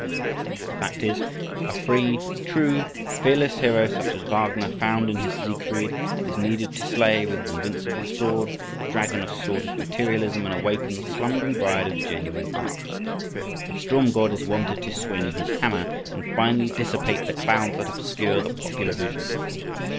The fact is, a free, true, fearless hero, such as Wagner found in his Siegfried, is needed to slay, with his invincible sword, the dragon of sordid materialism, and awaken the slumbering bride of genuine art. A storm god is wanted to swing his hammer and finally dissipate the clouds that obscure the popular vision.